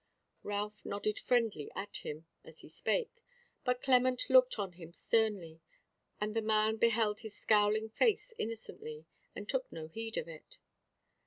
Ralph nodded friendly at him as he spake; but Clement looked on him sternly; and the man beheld his scowling face innocently, and took no heed of it.